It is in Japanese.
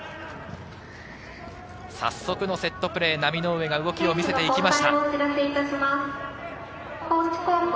早速のセットプレー、浪上が動きを見せていきました。